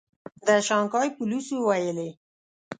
د شانګهای پولیسو ویلي